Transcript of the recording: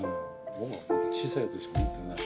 僕はこの小さいやつしか持ってない。